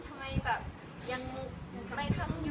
จริงไม่ได้เป็นห่วงตั้งแต่พึ่งมาเป็นห่วงตอนนี้